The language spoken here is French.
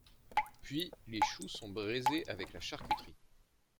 Puis, les choux sont braisés avec la charcuterie.